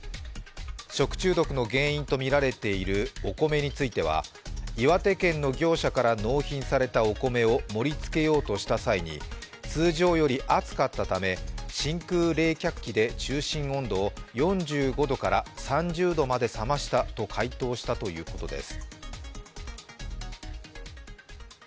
食中毒の原因とみられているお米については岩手県の業者から納品されたお米を盛りつけようとした際に、通常より熱かったため、真空冷却器で中心温度を４５度から３０度まで冷ましたと回答したということです。